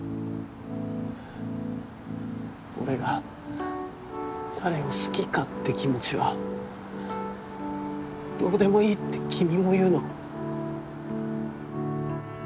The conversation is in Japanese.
俺が誰を好きかって気持ちはどうでもいいって君も言うの？